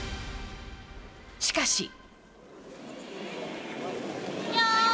しかし。